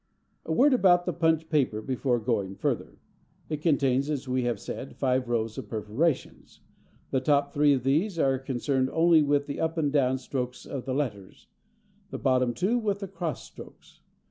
A word about the punched paper before going further. It contains, as we have said, five rows of perforations. The top three of these are concerned only with the up and down strokes of the letters, the bottom two with the cross strokes.